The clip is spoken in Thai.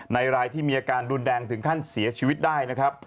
รายที่มีอาการรุนแรงถึงขั้นเสียชีวิตได้นะครับ